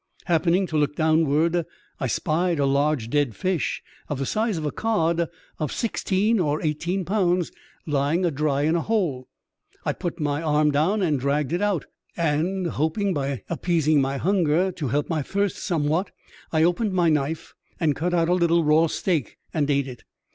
Happening to look downwards, I spied a large dead fish, of the size of a cod of sixteen or eighteen pounds, lying a dry in a hole. I put my arm down and dragged it out, and, hoping by appeasing my hunger to help my thirst some EXTBAOBDINABY ADVENTURE OF A CHIEF MATE. 85 what, I opened my knife and cut out a little raw steak, and ate it.